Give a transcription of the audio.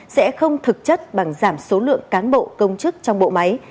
sẽ không thực chất bằng giảm số lượng cán bộ công chức trong bộ máy